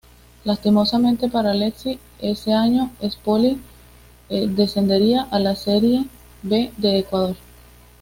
Lastimosamente para Alexi ese año Espoli descendería a la Serie B de Ecuador.